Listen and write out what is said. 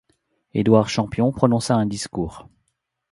Édouard Champion prononça un discours.